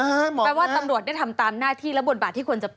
แปลว่าตำรวจได้ทำตามหน้าที่และบทบาทที่ควรจะเป็น